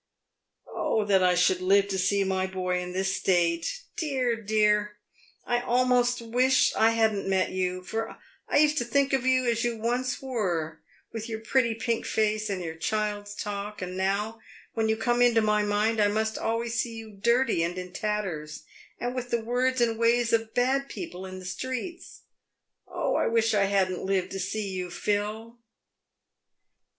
" Oh that I should live to see my boy in this state. Dear ! dear ! I almost wish I hadn't met you, for I used to think of you as you once were, with your pretty pink face and child's talk, and now, when you come into my mind, I must always see you dirty and in tatters, and with the words and ways of bad people in the streets. Oh, I wish I hadn't lived to see you, Phil."